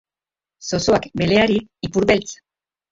Zozoak beleari, ipurbeltz!